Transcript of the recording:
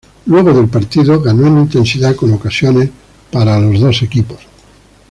Luego el partido ganó en intensidad con ocasiones para los dos equipos.